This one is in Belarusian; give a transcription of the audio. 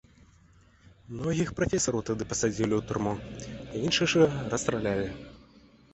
Многіх прафесараў тады пасадзілі ў турму, іншых жа расстралялі.